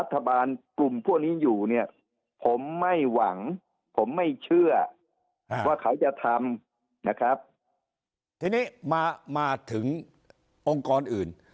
ทีนี้มาถึงองค์กรอื่น